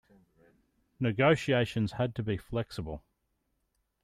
Negotiations had to be flexible.